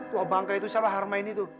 tua bangka itu siapa harma ini tuh